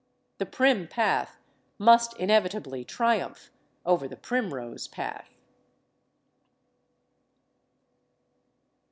The prim path must inevitably triumph over the primrose path.